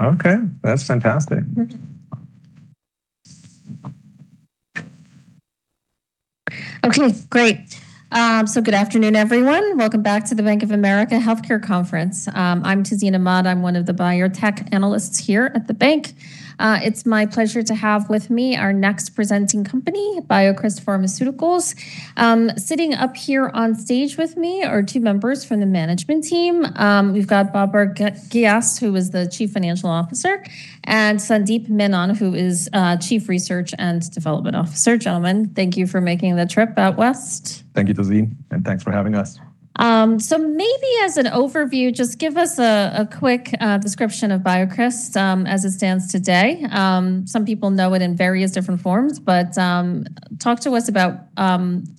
Okay, that's fantastic. Okay, great. Good afternoon, everyone. Welcome back to the Bank of America Healthcare Conference. I'm Tazeen Ahmad. I'm one of the Biotech Analysts here at the bank. It's my pleasure to have with me our next presenting company, BioCryst Pharmaceuticals. Sitting up here on stage with me are two members from the management team. We've got Babar Ghias, who is the Chief Financial Officer, and Sandeep Menon, who is Chief Research and Development Officer. Gentlemen, thank you for making the trip out west. Thank you, Tazeen, and thanks for having us. Maybe as an overview, just give us a quick description of BioCryst as it stands today. Some people know it in various different forms, but talk to us about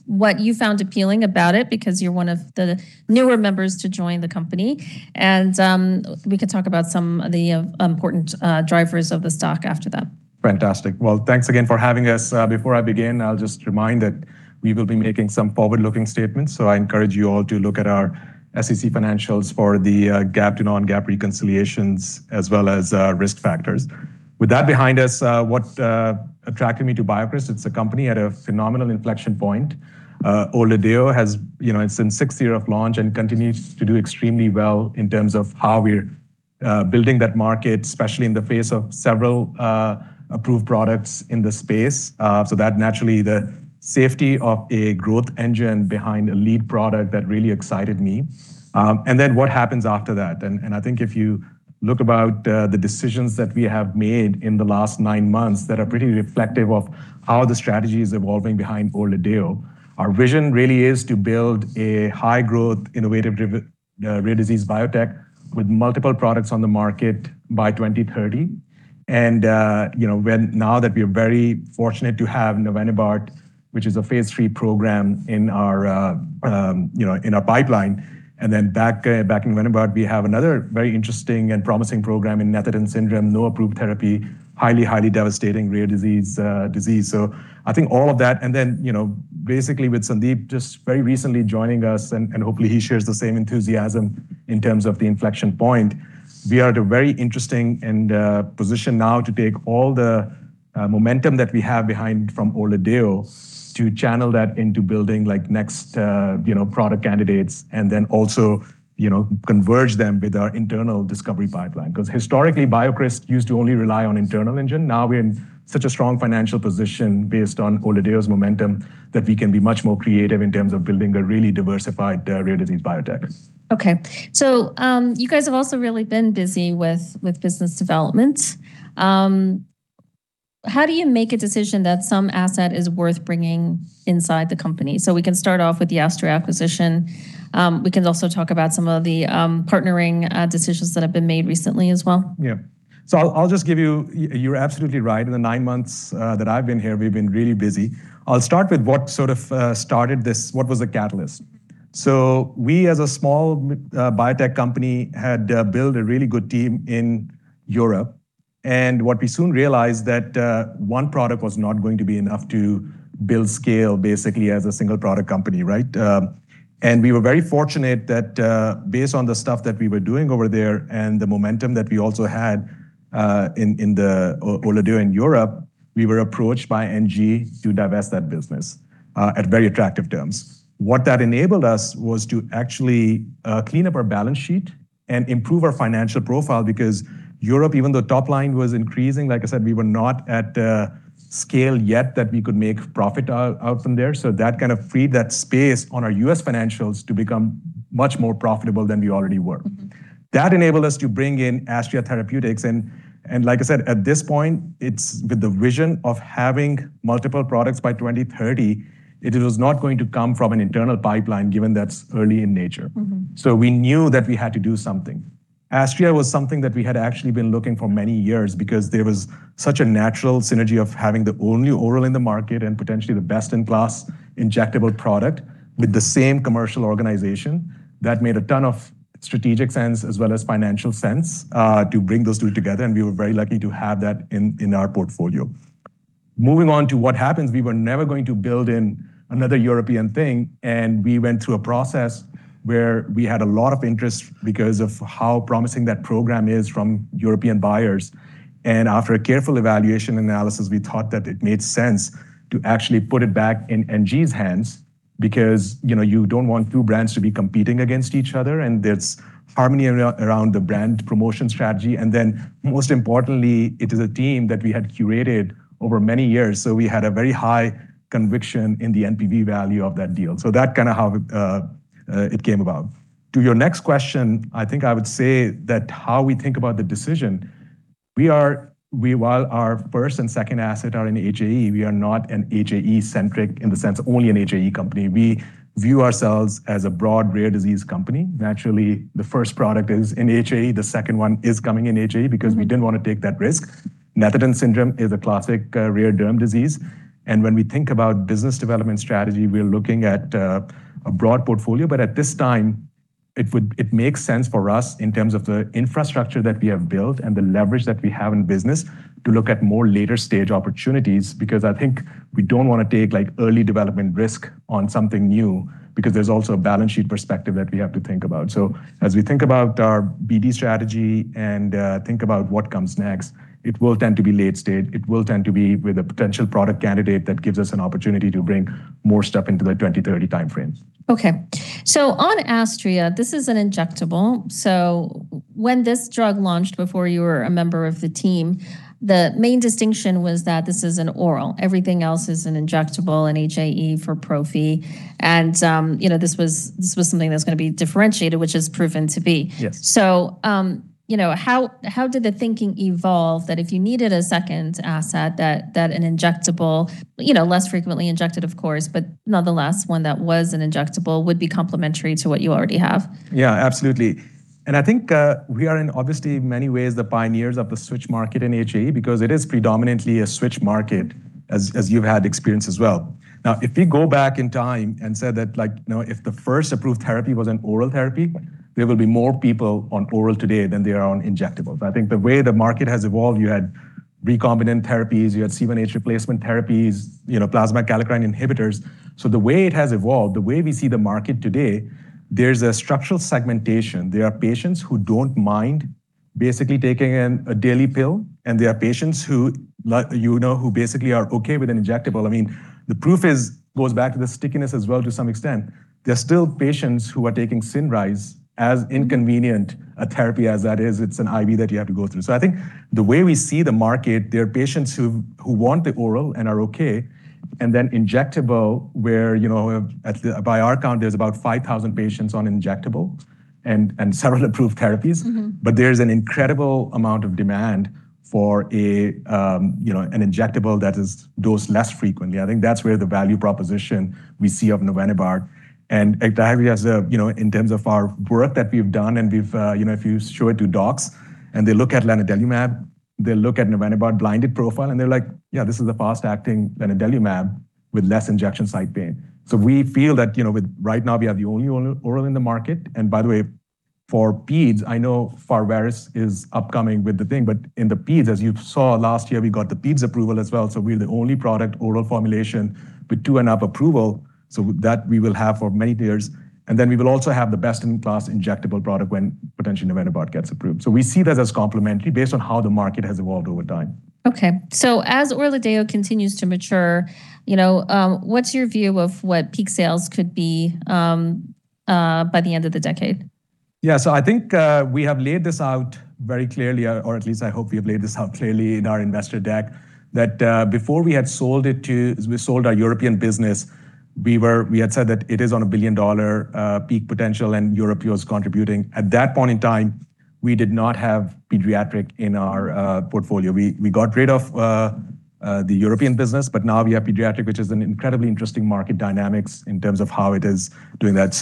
what you found appealing about it because you're one of the newer members to join the company. We could talk about some of the important drivers of the stock after that. Fantastic. Well, thanks again for having us. Before I begin, I'll just remind that we will be making some forward-looking statements. I encourage you all to look at our SEC financials for the GAAP to non-GAAP reconciliations as well as risk factors. With that behind us, what attracted me to BioCryst? It's a company at a phenomenal inflection point. ORLADEYO has, you know, it's in sixth year of launch and continues to do extremely well in terms of how we're building that market, especially in the face of several approved products in the space. That naturally the safety of a growth engine behind a lead product that really excited me. Then what happens after that? I think if you look about the decisions that we have made in the last nine months that are pretty reflective of how the strategy is evolving behind ORLADEYO. Our vision really is to build a high-growth, innovative rare disease biotech with multiple products on the market by 2030. You know, when now that we're very fortunate to have navenibart, which is a phase III program in our, you know, in our pipeline. Back in navenibart, we have another very interesting and promising program in Netherton syndrome, no approved therapy, highly devastating rare disease. I think all of that, and then, you know, basically with Sandeep just very recently joining us. Hopefully, he shares the same enthusiasm in terms of the inflection point. We are at a very interesting and position now to take all the momentum that we have behind from ORLADEYO to channel that into building like next, you know, product candidates and then also, you know, converge them with our internal discovery pipeline. Historically, BioCryst used to only rely on internal engine. Now we're in such a strong financial position based on ORLADEYO's momentum that we can be much more creative in terms of building a really diversified, rare disease biotech. Okay. You guys have also really been busy with business development. How do you make a decision that some asset is worth bringing inside the company? We can start off with the Astria acquisition. We can also talk about some of the partnering decisions that have been made recently as well. Yeah. I'll just give you. You're absolutely right. In the nine months that I've been here, we've been really busy. I'll start with what sort of started this, what was the catalyst. We, as a small biotech company, had built a really good team in Europe. What we soon realized that one product was not going to be enough to build scale basically as a single product company, right? We were very fortunate that, based on the stuff that we were doing over there and the momentum that we also had in ORLADEYO in Europe, we were approached by NG to divest that business at very attractive terms. What that enabled us was to actually clean up our balance sheet and improve our financial profile because Europe, even though top line was increasing, like I said, we were not at scale yet that we could make profit out from there. That kind of freed that space on our U.S. financials to become much more profitable than we already were. That enabled us to bring in Astria Therapeutics. Like I said, at this point, it's with the vision of having multiple products by 2030. It was not going to come from an internal pipeline given that's early in nature. We knew that we had to do something. Astria was something that we had actually been looking for many years because there was such a natural synergy of having the only oral in the market and potentially the best-in-class injectable product with the same commercial organization. That made a ton of strategic sense as well as financial sense to bring those two together, and we were very lucky to have that in our portfolio. Moving on to what happens, we were never going to build in another European thing. We went through a process where we had a lot of interest because of how promising that program is from European buyers. After a careful evaluation analysis, we thought that it made sense to actually put it back in NG's hands because, you know, you don't want two brands to be competing against each other, and there's harmony around the brand promotion strategy. Most importantly, it is a team that we had curated over many years. We had a very high conviction in the NPV value of that deal. That kinda how it came about. To your next question, I think I would say that how we think about the decision, we while our first and second asset are in HAE, we are not an HAE-centric in the sense only an HAE company. We view ourselves as a broad rare disease company. Naturally, the first product is in HAE. The second one is coming in HAE because we didn't wanna take that risk. Netherton syndrome is a classic rare derm disease. When we think about business development strategy, we're looking at a broad portfolio. At this time it makes sense for us in terms of the infrastructure that we have built and the leverage that we have in business to look at more later stage opportunities, because I think we don't want to take like early development risk on something new because there's also a balance sheet perspective that we have to think about. As we think about our BD strategy and think about what comes next, it will tend to be late stage. It will tend to be with a potential product candidate that gives us an opportunity to bring more stuff into the 2030 time frames. Okay. On Astria, this is an injectable. When this drug launched before you were a member of the team, the main distinction was that this is an oral. Everything else is an injectable. An HAE for prophy. You know, this was something that's going to be differentiated, which is proven to be. Yes. You know, how did the thinking evolve that if you needed a second asset that an injectable, you know, less frequently injected of course. Nonetheless, one that was an injectable would be complementary to what you already have? Absolutely. I think we are in obviously many ways the pioneers of the switch market in HAE because it is predominantly a switch market as you've had experience as well. Now, if we go back in time and said that, you know, if the first approved therapy was an oral therapy, there will be more people on oral today than there are on injectables. I think the way the market has evolved, you had recombinant therapies, you had C1 esterase replacement therapies, you know, plasma kallikrein inhibitors. The way it has evolved, the way we see the market today, there's a structural segmentation. There are patients who don't mind basically taking a daily pill, and there are patients who, you know, who basically are okay with an injectable. I mean, the proof is, goes back to the stickiness as well to some extent. There are still patients who are taking CINRYZE as inconvenient a therapy as that is. It's an IV that you have to go through. I think the way we see the market, there are patients who want the oral and are okay. Then, injectable where, you know, by our count, there's about 5,000 patients on injectable, and several approved therapies. There's an incredible amount of demand for a, you know, an injectable that is dosed less frequently. I think that's where the value proposition we see of navenibart. [TAKHZYRO] has a, you know, in terms of our work that we've done and we've, you know, if you show it to docs and they look at lanadelumab, they look at navenibart blinded profile, and they're like, "Yeah, this is a fast-acting lanadelumab with less injection site pain." We feel that, you know, with right now we have the only oral in the market. By the way, for peds, I know Pharvaris is upcoming with the thing. In the peds, as you saw last year, we got the peds approval as well. We're the only product oral formulation with two and up approval. That we will have for many years. We will also have the best-in-class injectable product when potentially navenibart gets approved. We see that as complementary based on how the market has evolved over time. Okay. As ORLADEYO continues to mature, you know, what's your view of what peak sales could be by the end of the decade? Yeah. I think, we have laid this out very clearly, or at least I hope we have laid this out clearly in our investor deck. Before we had sold our European business, we had said that it is on a billion-dollar peak potential, and Europe was contributing. At that point in time, we did not have pediatric in our portfolio. We got rid of the European business. Now we have pediatric, which is an incredibly interesting market dynamics in terms of how it is doing that.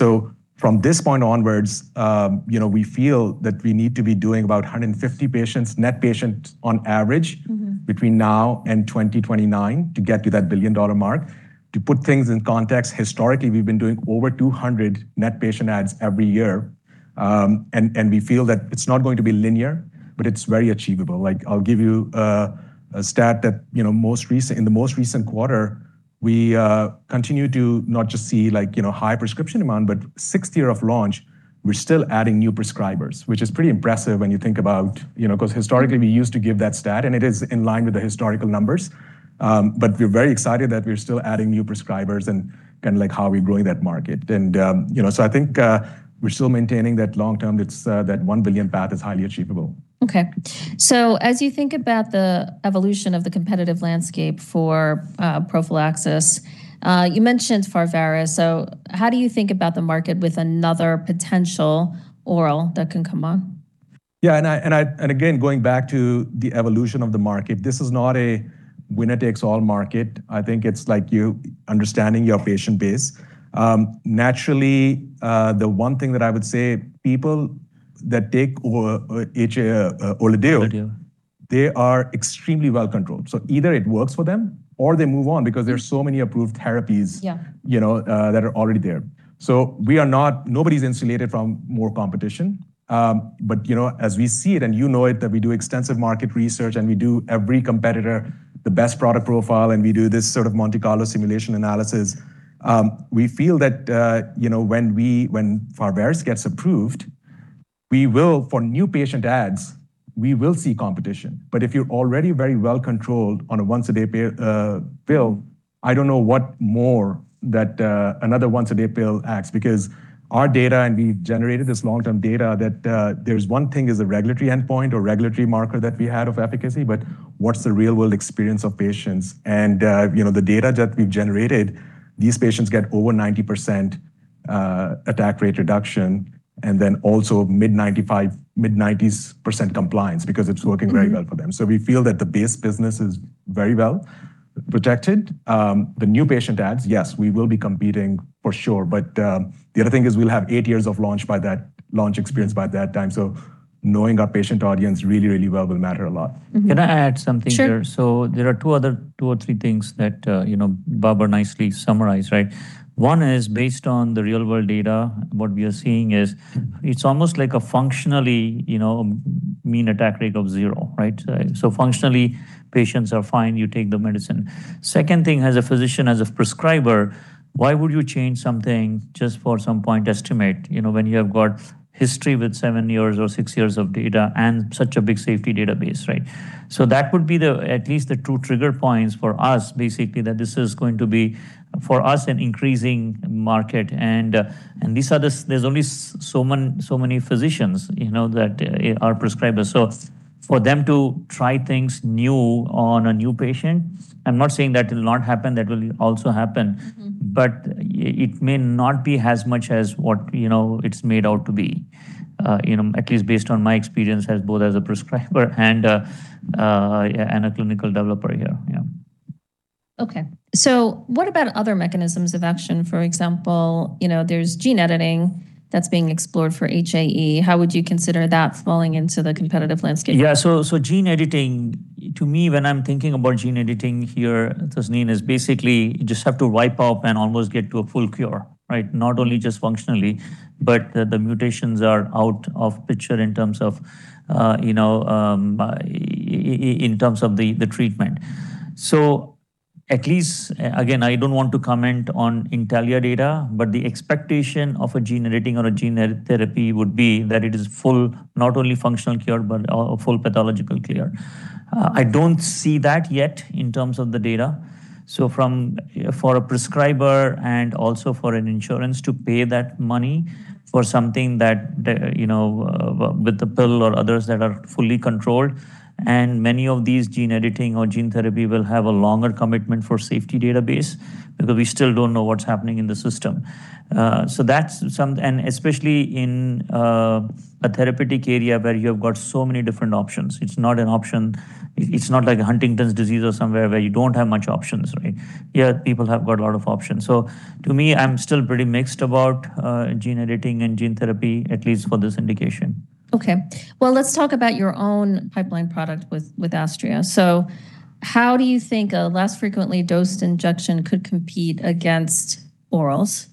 From this point onwards, you know, we feel that we need to be doing about 150 patients. Net patients on average, between now and 2029 to get to that billion-dollar mark. To put things in context, historically, we've been doing over 200 net patient adds every year. We feel that it's not going to be linear, but it's very achievable. Like I'll give you a stat that, you know, in the most recent quarter, we continue to not just see like, you know, high prescription demand. Sixth year of launch, we're still adding new prescribers, which is pretty impressive when you think about, you know, 'cause historically, we used to give that stat. It is in line with the historical numbers. We're very excited that we're still adding new prescribers and kind of like how we're growing that market. You know, I think we're still maintaining that long term, it's that $1 billion path is highly achievable. Okay. As you think about the evolution of the competitive landscape for prophylaxis, you mentioned Pharvaris. How do you think about the market with another potential oral that can come on? Yeah. I, again, going back to the evolution of the market, this is not a winner-takes-all market. I think it's like you understanding your patient base. Naturally, the one thing that I would say, people that take HAE ORLADEYO- ORLADEYO.... they are extremely well controlled. Either it works for them, or they move on because there's so many approved therapies- Yeah.... you know, that are already there. We are not, nobody's insulated from more competition. You know, as we see it, and you know it, that we do extensive market research. We do every competitor the best product profile, and we do this sort of Monte Carlo simulation analysis. We feel that, you know, when we, when Pharvaris gets approved, we will, for new patient adds, we will see competition. If you're already very well controlled on a once-a-day pill, I don't know what more that another once-a-day pill adds because our data, and we generated this long-term data, that there's one thing is a regulatory endpoint or regulatory marker that we had of efficacy. But what's the real-world experience of patients? You know, the data that we've generated, these patients get over 90% attack rate reduction and then also mid-95%, mid-90%s compliance because it's working very well for them. We feel that the base business is very well protected. The new patient adds, yes, we will be competing for sure. The other thing is we'll have eight years of launch by that, launch experience by that time. Knowing our patient audience really, really well will matter a lot. Can I add something here? Sure. There are two other, two or three things that, you know, Babar nicely summarized, right? One is based on the real world data. What we are seeing is it's almost like a functionally, you know, mean attack rate of zero, right? Functionally, patients are fine, you take the medicine. Second thing, as a physician, as a prescriber, why would you change something just for some point estimate, you know, when you have got history with seven or six years of data and such a big safety database, right? That would be the, at least the two trigger points for us. Basically, that this is going to be, for us, an increasing market. These are the, there's only so many physicians, you know, that are prescribers. For them to try things new on a new patient, I'm not saying that will not happen. That will also happen. It may not be as much as what, you know, it's made out to be, you know, at least based on my experience as both as a prescriber and a, yeah, and a clinical developer here. Yeah. Okay. What about other mechanisms of action? For example, you know, there's gene editing that's being explored for HAE. How would you consider that falling into the competitive landscape? Yeah. Gene editing. To me, when I'm thinking about gene editing here, Tazeen, is basically you just have to wipe out and almost get to a full cure, right? Not only just functionally, but the mutations are out of picture in terms of, you know, in terms of the treatment. At least, again, I don't want to comment on Intellia data. But the expectation of a gene editing or a gene therapy would be that it is full, not only functional cure. A full pathological cure. I don't see that yet in terms of the data. For a prescriber and also for an insurance to pay that money for something that, you know, with the pill or others that are fully controlled, and many of these gene editing or gene therapy will have a longer commitment for safety database because we still don't know what's happening in the system. That's some... especially in a therapeutic area where you have got so many different options. It's not an option. It's not like Huntington's disease or somewhere where you don't have much options, right? Here, people have got a lot of options. To me, I'm still pretty mixed about gene editing and gene therapy, at least for this indication. Okay. Well, let's talk about your own pipeline product with Astria. How do you think a less frequently dosed injection could compete against orals?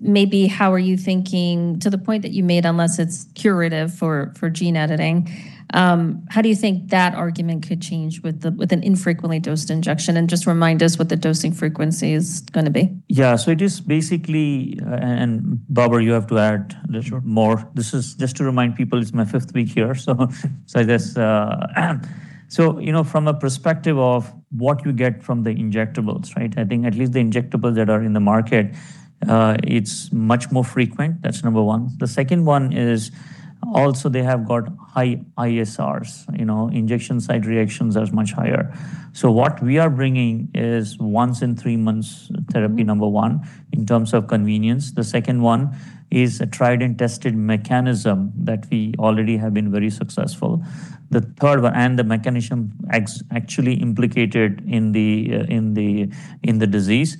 Maybe how are you thinking to the point that you made, unless it's curative for gene editing, how do you think that argument could change with an infrequently dosed injection? Just remind us what the dosing frequency is gonna be. Yeah. It is basically, and Babar, you have to add- Sure.... more. This is just to remind people, it's my fifth week here. You know, from a perspective of what you get from the injectables, right? I think at least the injectables that are in the market, it's much more frequent. That's number one. The second one is also they have got high ISRs, you know, injection site reactions are much higher. What we are bringing is once in three months therapy, number one, in terms of convenience. The second one is a tried and tested mechanism that we already have been very successful. The third one, the mechanism actually implicated in the disease.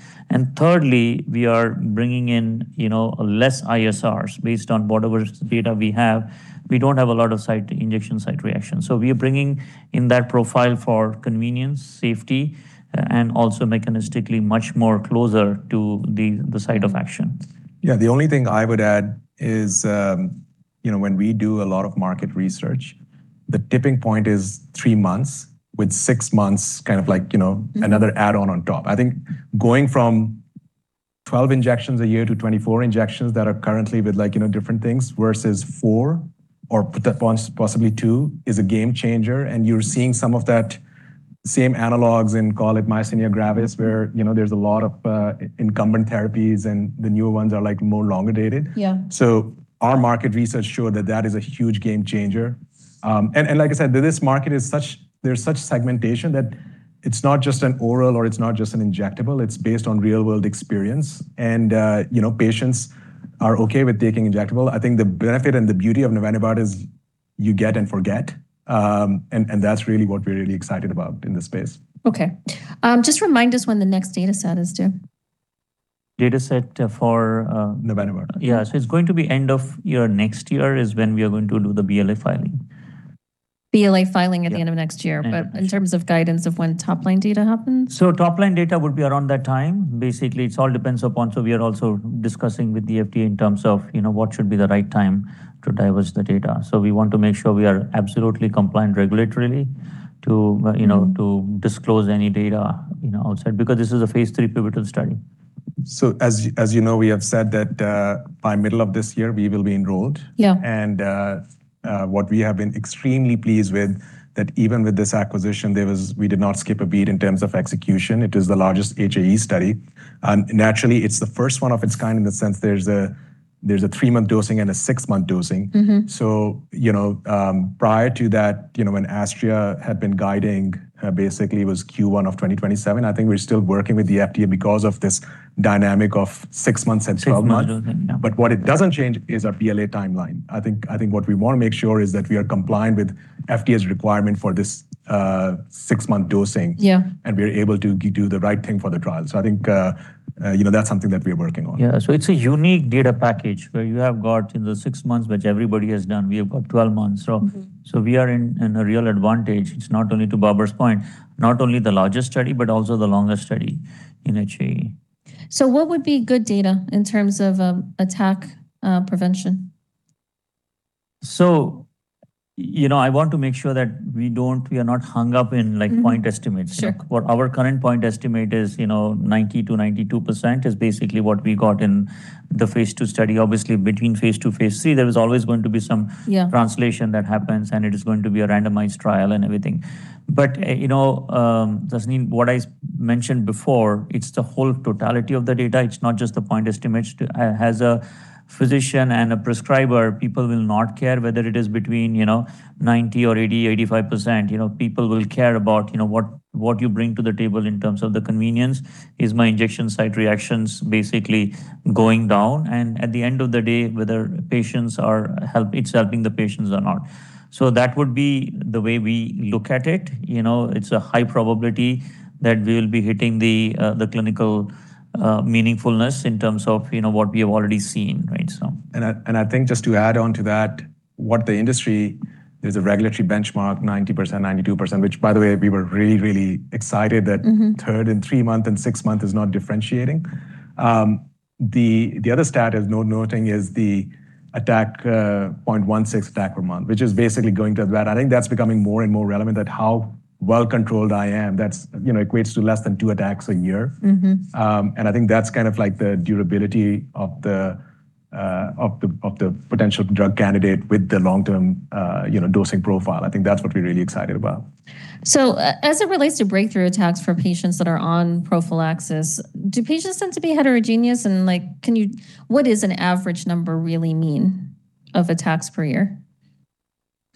Thirdly, we are bringing in, you know, less ISRs based on whatever data we have. We don't have a lot of injection site reactions. We are bringing in that profile for convenience, safety, and also mechanistically much more closer to the site of action. Yeah. The only thing I would add is, you know, when we do a lot of market research, the tipping point is three months. With six months kind of like, you know, another add-on on top. I think going from 12 injections a year to 24 injections that are currently with like, you know, different things versus four injections or possibly two injections, is a game changer. You're seeing some of that same analogs in, call it myasthenia gravis, where, you know, there's a lot of incumbent therapies. The newer ones are, like, more longer-dated. Yeah. Our market research showed that that is a huge game changer. Like I said, this market is such-- there's such segmentation that it's not just an oral or it's not just an injectable, it's based on real world experience. You know, patients are okay with taking injectable. I think the benefit and the beauty of navenibart is you get and forget. That's really what we're really excited about in this space. Okay. Just remind us when the next dataset is due? Dataset for? Navenibart. Yeah. It's going to be end of year, next year, is when we are going to do the BLA filing. BLA filing at the end of next year. Yeah. In terms of guidance of when top-line data happens? Top-line data would be around that time. Basically, it all depends upon. We are also discussing with the FDA in terms of, you know, what should be the right time to diverge the data. We want to make sure we are absolutely compliant regulatorily to, you know, to disclose any data, you know, outside, because this is a phase III pivotal study. As you know, we have said that by middle of this year, we will be enrolled. Yeah. What we have been extremely pleased with, that even with this acquisition, we did not skip a beat in terms of execution. It is the largest HAE study. Naturally, it's the first one of its kind in the sense there's a three-month dosing and a six-month dosing. You know, prior to that, you know, when Astria had been guiding, basically it was Q1 of 2027. I think we're still working with the FDA because of this dynamic of six months and 12 months. Six-month dosing, yeah. What it doesn't change is our BLA timeline. I think what we want to make sure is that we are compliant with FDA's requirement for this six-month dosing. Yeah. We are able to do the right thing for the trial. I think, you know, that's something that we are working on. Yeah. It's a unique data package where you have got in the six months, which everybody has done. We have got 12 months. We are in a real advantage. It's not only to Babar's point, not only the largest study, but also the longest study in HAE. What would be good data in terms of attack prevention? You know, I want to make sure that we are not hung up in like point estimates. Sure. What our current point estimate is, you know, 90%-92% is basically what we got in the phase II study. Obviously, between phase II, phase III, there is always going to be some- Yeah.... translation that happens. It is going to be a randomized trial and everything. You know, Tazeen, what I mentioned before, it's the whole totality of the data. It's not just the point estimates. As a physician and a prescriber, people will not care whether it is between, you know, 90% or 80%, 85%. You know, people will care about, you know, what you bring to the table in terms of the convenience. Is my injection site reactions basically going down? At the end of the day, whether patients it's helping the patients or not. That would be the way we look at it. You know, it's a high probability that we'll be hitting the clinical meaningfulness in terms of, you know, what we have already seen, right? I think just to add on to that, what the industry... there's a regulatory benchmark, 90%, 92%, which by the way, we were really, really excited that third and three-month and six-month is not differentiating. The other stat is worth noting is the attack, 0.16 attack per month, which is basically going to that. I think that's becoming more and more relevant that how well controlled I am. That's, you know, equates to less than two attacks a year. I think that's kind of like the durability of the potential drug candidate with the long-term, you know, dosing profile. I think that's what we're really excited about. As it relates to breakthrough attacks for patients that are on prophylaxis, do patients tend to be heterogeneous? Like, what is an average number really mean of attacks per year?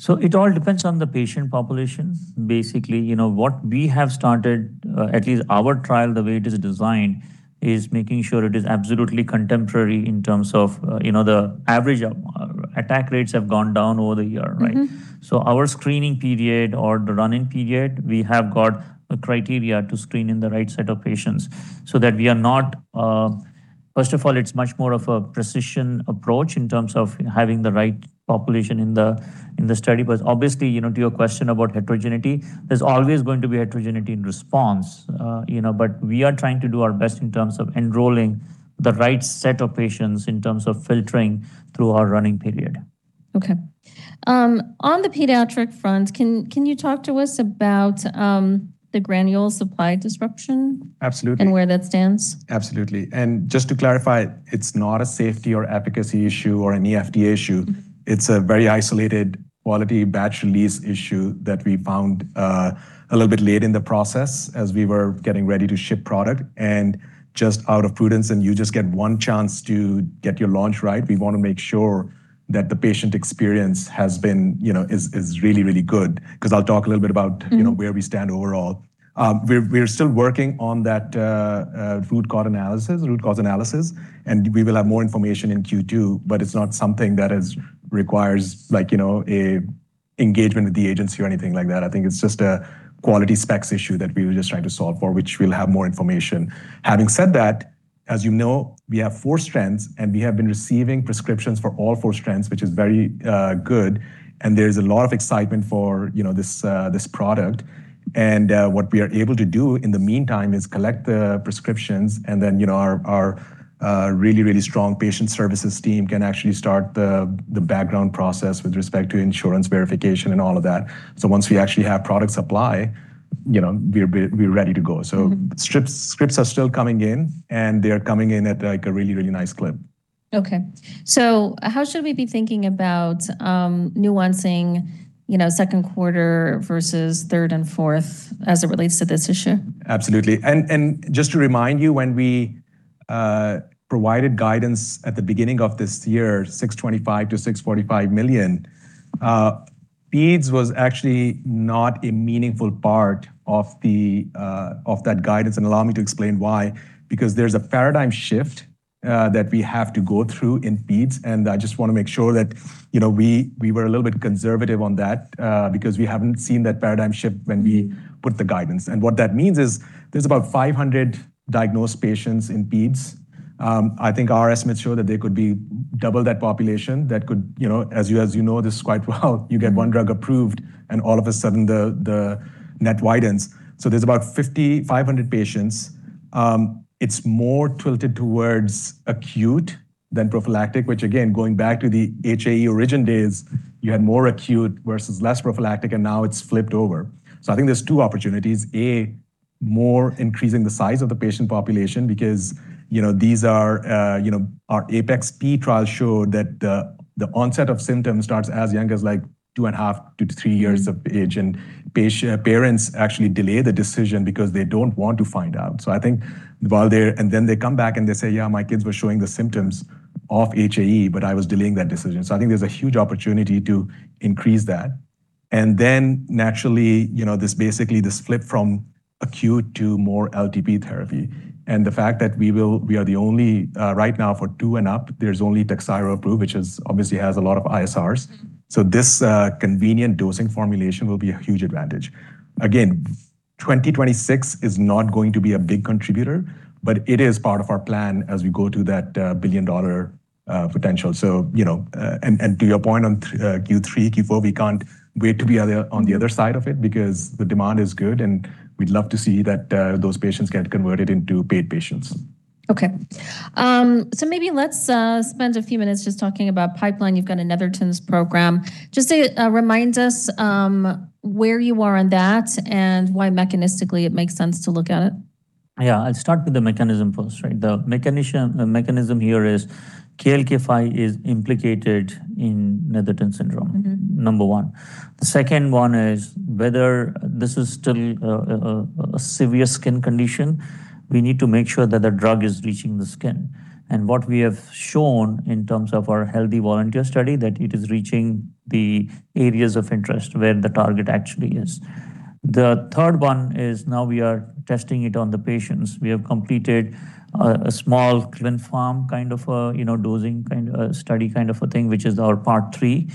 It all depends on the patient population. Basically, you know, what we have started, at least our trial, the way it is designed, is making sure it is absolutely contemporary in terms of, you know, the average of attack rates have gone down over the year, right? Our screening period or the run-in period, we have got a criteria to screen in the right set of patients so that we are not... first of all, it's much more of a precision approach in terms of having the right population in the study. Obviously, you know, to your question about heterogeneity, there is always going to be heterogeneity in response, you know. We are trying to do our best in terms of enrolling the right set of patients in terms of filtering through our run-in period. Okay. On the pediatric front, can you talk to us about the granule supply disruption? Absolutely. Where that stands? Absolutely. Just to clarify, it's not a safety or efficacy issue or an FDA issue. It's a very isolated quality batch release issue that we found a little bit late in the process as we were getting ready to ship product and just out of prudence, and you just get one chance to get your launch right. We wanna make sure that the patient experience has been, you know, is really, really good. You know, where we stand overall. We're still working on that root cause analysis, we will have more information in Q2. But it's not something that is requires like, you know, a engagement with the agency or anything like that. I think it's just a quality specs issue that we were just trying to solve for, which we'll have more information. Having said that, as you know, we have four strands. We have been receiving prescriptions for all four strands, which is very good. There's a lot of excitement for, you know, this product. What we are able to do in the meantime is collect the prescriptions and then, you know, our really strong patient services team can actually start the background process with respect to insurance verification and all of that. Once we actually have product supply, you know, we're ready to go. Scripts are still coming in. They are coming in at, like, a really nice clip. Okay. How should we be thinking about nuancing, you know, second quarter versus third and fourth as it relates to this issue? Absolutely. Just to remind you, when we provided guidance at the beginning of this year, $625 million-$645 million. Peds was actually not a meaningful part of that guidance, and allow me to explain why. Because there's a paradigm shift that we have to go through in peds, and I just wanna make sure that, you know, we were a little bit conservative on that because we haven't seen that paradigm shift when we put the guidance. What that means is there's about 500 diagnosed patients in peds. I think our estimates show that there could be double that population that could, you know, as you know this quite well, you get one drug approved, and all of a sudden the net widens. There's about 5,500 patients. It's more tilted towards acute than prophylactic, which again, going back to the HAE origin days, you had more acute versus less prophylactic. Now, it's flipped over. I think there's two opportunities: A, more increasing the size of the patient population. You know, these are, you know, our APeX-P trial showed that the onset of symptoms starts as young as, like, 2.5 to three years of age. Parents actually delay the decision because they don't want to find out. They come back and they say, "Yeah, my kids were showing the symptoms of HAE, but I was delaying that decision." I think there's a huge opportunity to increase that. Naturally, you know, this basically this flip from acute to more LTP therapy. The fact that we are the only, right now for two and up, there's only TAKHZYRO approved, which is obviously has a lot of ISRs. This convenient dosing formulation will be a huge advantage. Again, 2026 is not going to be a big contributor, but it is part of our plan as we go to that $1 billion potential. You know, and to your point on Q3, Q4, we can't wait to be on the other side of it because the demand is good, and we'd love to see that those patients get converted into paid patients. Okay. Maybe let's spend a few minutes just talking about pipeline. You've got a Netherton's program. Just remind us where you are on that and why mechanistically it makes sense to look at it. Yeah. I'll start with the mechanism first, right? The mechanism here is KLK5 is implicated in Netherton syndrome. Number one. The second one is whether this is still a severe skin condition, we need to make sure that the drug is reaching the skin. What we have shown in terms of our healthy volunteer study that it is reaching the areas of interest where the target actually is. The third one is now we are testing it on the patients. We have completed a small clinical kind of a, you know, dosing kind of study kind of a thing, which is our part three.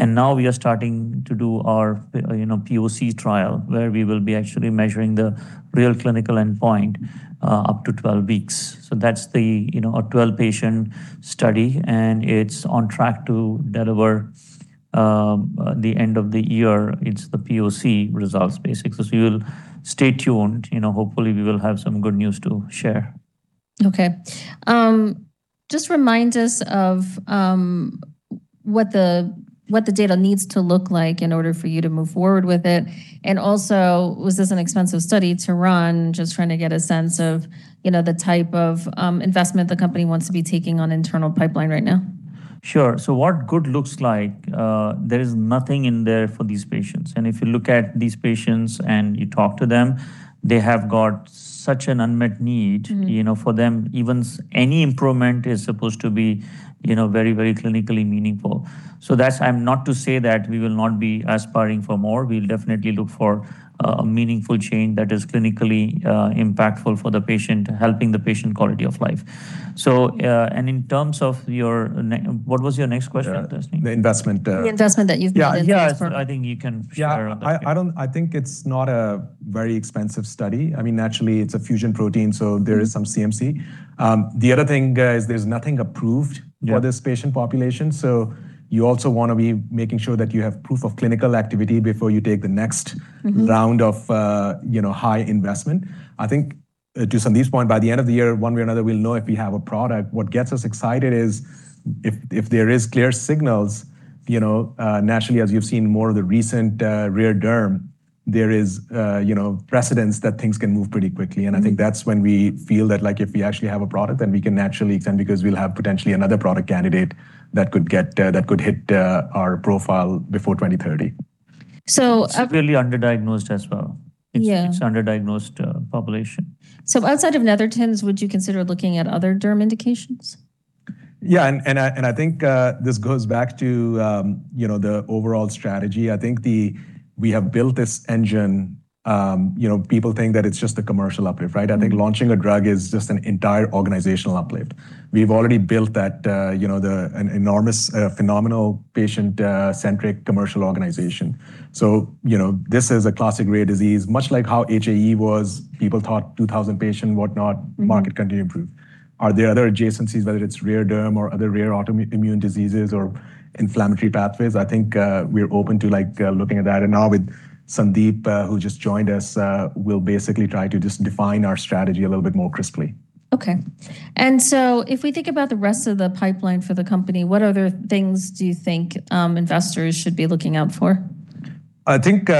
Now, we are starting to do our, you know, POC trial, where we will be actually measuring the real clinical endpoint up to 12 weeks. That's the, you know, a 12-patient study. It's on track to deliver the end of the year. It's the POC results basically. We will stay tuned. You know, hopefully, we will have some good news to share. Okay. Just remind us of what the data needs to look like in order for you to move forward with it? Also, was this an expensive study to run, just trying to get a sense of, you know, the type of investment the company wants to be taking on internal pipeline right now? Sure. What good looks like, there is nothing in there for these patients. If you look at these patients and you talk to them, they have got such an unmet need. You know, for them, even any improvement is supposed to be, you know, very clinically meaningful. I'm not to say that we will not be aspiring for more. We'll definitely look for a meaningful change that is clinically impactful for the patient, helping the patient quality of life. In terms of your... What was your next question, Tazeen? The investment there. The investment that you've made in the past. Yeah. Yeah. I think you can share on that. Yeah. I think it's not a very expensive study. I mean, naturally it's a fusion protein, so there is some CMC. The other thing is there's nothing approved- Yeah.... for this patient population, so you also wanna be making sure that you have proof of clinical activity before you take the next round of, you know, high investment. I think, to Sandeep's point, by the end of the year, one way or another, we'll know if we have a product. What gets us excited is if there is clear signals, you know, naturally, as you've seen more of the recent rare derm, there is, you know, precedence that things can move pretty quickly. I think that's when we feel that, like, if we actually have a product, then we can naturally expand because we'll have potentially another product candidate that could get, that could hit our profile before 2030. So- It's really underdiagnosed as well. Yeah. It's underdiagnosed population. Outside of Netherton's, would you consider looking at other derm indications? Yeah. I think, you know, this goes back to, you know, the overall strategy. I think we have built this engine. You know, people think that it's just the commercial uplift, right? I think launching a drug is just an entire organizational uplift. We've already built that, you know, the an enormous, phenomenal patient-centric commercial organization. You know, this is a classic rare disease. Much like how HAE was, people thought 2,000 patient, whatnot, market continue improve. Are there other adjacencies, whether it's rare derm or other rare autoimmune diseases or inflammatory pathways? I think we're open to, like, looking at that. Now with Sandeep, who just joined us, we'll basically try to just define our strategy a little bit more crisply. Okay. If we think about the rest of the pipeline for the company, what other things do you think investors should be looking out for? I think,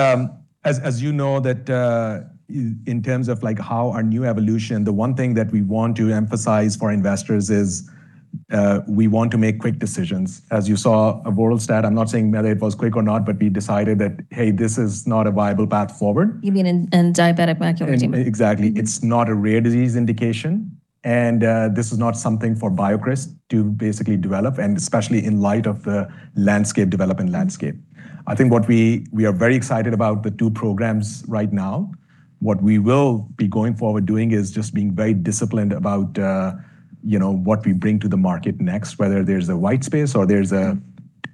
as you know that, in terms of, like, how our new evolution, the one thing that we want to emphasize for investors is, we want to make quick decisions. As you saw avoralstat, I'm not saying whether it was quick or not, but we decided that, hey, this is not a viable path forward. You mean in diabetic macular edema? Exactly. It's not a rare disease indication. This is not something for BioCryst to basically develop, and especially in light of the landscape development landscape. I think what we are very excited about the two programs right now. What we will be going forward doing is just being very disciplined about, you know, what we bring to the market next, whether there's a white space or there's a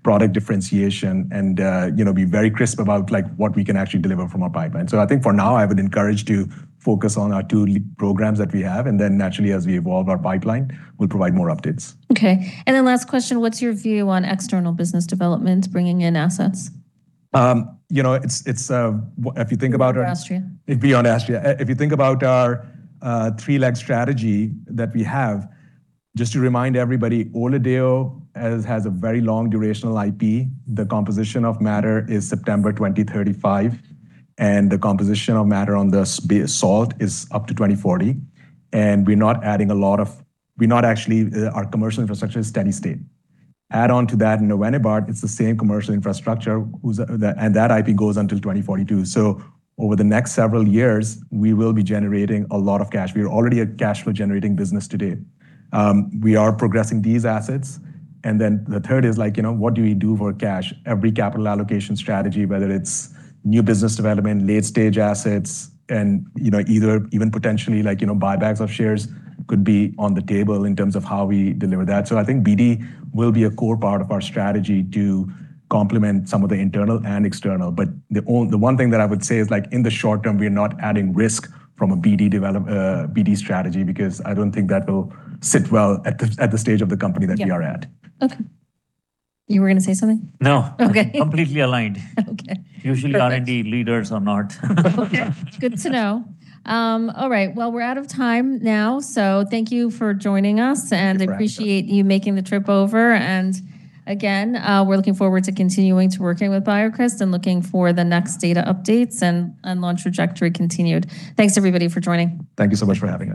product differentiation, and, you know, be very crisp about, like, what we can actually deliver from our pipeline. I think for now, I would encourage to focus on our two lead programs that we have. Then naturally, as we evolve our pipeline, we'll provide more updates. Okay. Last question, what's your view on external business development bringing in assets? You know, it's, if you think about our-. Beyond Astria. Beyond Astria. If you think about our three-leg strategy that we have, just to remind everybody, ORLADEYO has a very long durational IP. The composition of matter is September 2035, and the composition of matter on the base salt is up to 2040. We're not adding a lot of. We're not actually, our commercial infrastructure is steady state. Add on to that navenibart, it's the same commercial infrastructure whose, that IP goes until 2042. Over the next several years, we will be generating a lot of cash. We are already a cash flow generating business today. We are progressing these assets. The third is like, you know, what do we do for cash? Every capital allocation strategy, whether it's new business development, late-stage assets, and, you know, either even potentially like, you know, buybacks of shares could be on the table in terms of how we deliver that. I think BD will be a core part of our strategy to complement some of the internal and external. The one thing that I would say is, like, in the short term, we are not adding risk from a BD strategy because I don't think that will sit well at the stage of the company that we are at. Yeah. Okay. You were gonna say something? No. Okay. I'm completely aligned. Okay. Usually R&D leaders are not. Okay. Good to know. All right. Well, we're out of time now, so thank you for joining us. No problem. Appreciate you making the trip over. Again, we're looking forward to continuing to working with BioCryst and looking for the next data updates and launch trajectory continued. Thanks everybody for joining. Thank you so much for having us.